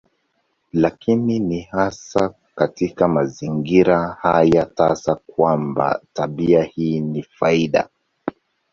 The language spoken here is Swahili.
Lakini ni hasa katika mazingira haya tasa kwamba tabia hii ni faida.